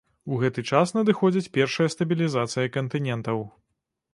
У гэты час надыходзіць першая стабілізацыя кантынентаў.